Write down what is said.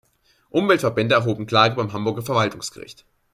Umweltverbände erhoben Klage beim Hamburger Verwaltungsgericht.